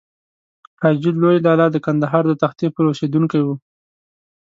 حاجي لوی لالا د کندهار د تختې پل اوسېدونکی و.